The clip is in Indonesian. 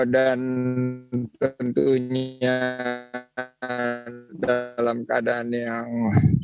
dan tentunya dalam keadaan yang